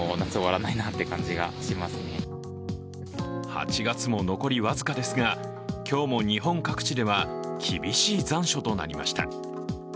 ８月も残り僅かですが今日も日本各地では厳しい残暑となりました。